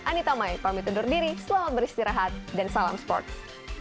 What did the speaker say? anita mai pamit undur diri selamat beristirahat dan salam sports